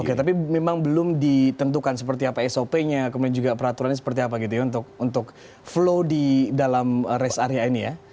oke tapi memang belum ditentukan seperti apa sop nya kemudian juga peraturannya seperti apa gitu ya untuk flow di dalam rest area ini ya